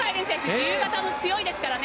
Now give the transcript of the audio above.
自由形も強いですから。